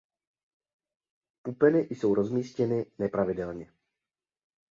Pupeny jsou rozmístěny nepravidelně.